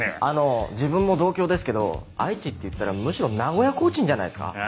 あの自分も同郷ですけど愛知っていったらむしろ名古屋コーチンじゃないっすか？